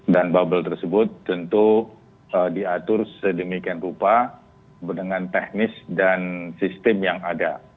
dan bubble tersebut tentu diatur sedemikian rupa dengan teknis dan sistem yang ada